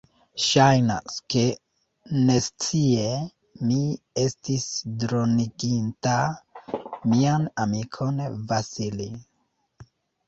Ŝajnas, ke, nescie, mi estis droniginta mian amikon Vasili.